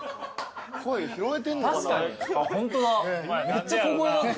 めっちゃ小声だった。